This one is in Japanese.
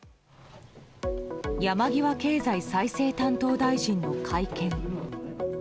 山際経済再生担当大臣の会見。